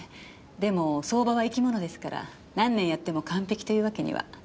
でも相場は生き物ですから何年やっても完璧というわけには。